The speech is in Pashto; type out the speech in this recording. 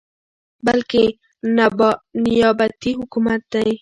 بلكې نيابتي حكومت دى ،